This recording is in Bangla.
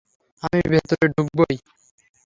আমি ভেতরে ঢুকবোই।